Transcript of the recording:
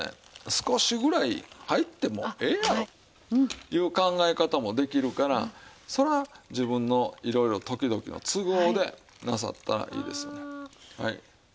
少しぐらい入ってもええやろうという考え方もできるからそれは自分のいろいろ時々の都合でなさったらいいですよね。